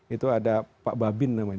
itu ada pak babin namanya